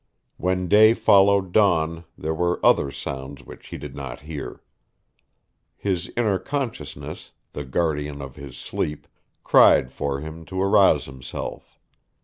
When day followed dawn there were other sounds which he did not hear. His inner consciousness, the guardian of his sleep, cried for him to arouse himself.